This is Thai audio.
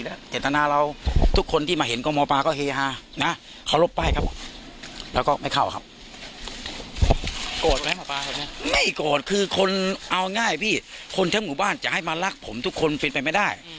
เอาง่ายพี่คนทั้งหมู่บ้านจะให้มารักผมทุกคนเป็นไปไม่ได้